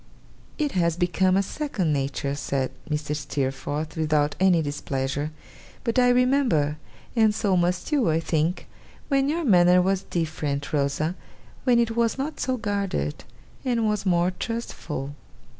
'It has become a second nature,' said Mrs. Steerforth, without any displeasure; 'but I remember, and so must you, I think, when your manner was different, Rosa; when it was not so guarded, and was more trustful.